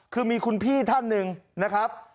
คือมีคุณพี่ท่านหนึ่งนะครับ